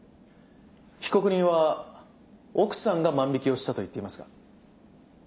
被告人は奥さんが万引をしたと言っていますが。